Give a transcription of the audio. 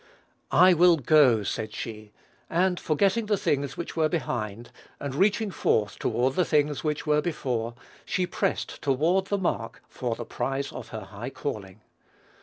"I will go," said she, and "forgetting the things which were behind, and reaching forth toward the things which were before, she pressed toward the mark for the prize of her high calling."